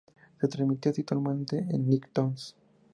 Se transmitió simultáneamente en Nicktoons.